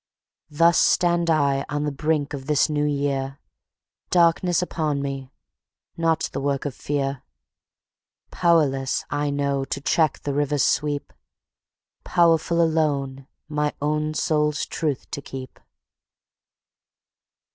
Thus stand I on the brink of this new year, Darkness upon me—not the work of fear. Powerless I know to check the river's sweep, Powerful alone my own soul's truth to keep.